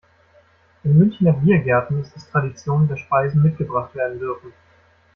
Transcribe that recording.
In Münchner Biergärten ist es Tradition, dass Speisen mitgebracht werden dürfen.